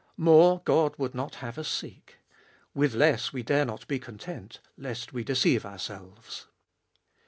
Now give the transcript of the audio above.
More God would not have us seek ; with less, we dare not be content, lest we deceive ourselves.